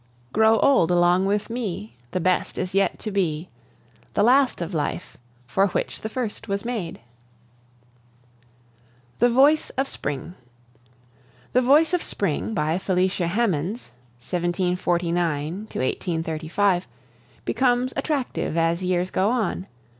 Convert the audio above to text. "Grow old along with me! The best is yet to be, The last of life, for which the first was made." THE VOICE OF SPRING. "The Voice of Spring," by Felicia Hemans (1749 1835), becomes attractive as years go on.